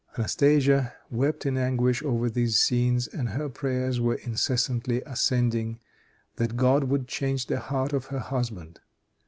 Anastasia wept in anguish over these scenes, and her prayers were incessantly ascending, that God would change the heart of her husband.